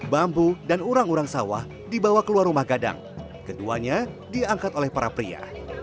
bambu dan orang orang sawah dibawa keluar rumah gadang keduanya diangkat oleh para pria